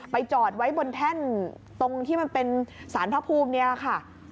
จอดไว้บนแท่นตรงที่มันเป็นสารพระภูมินี่แหละค่ะ